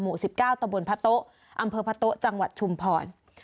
๑๙ตะบนพระโต๊ะอำเภอพะโต๊ะจังหวัดชุมพร